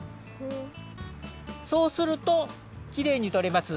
そうするときれいにとれます。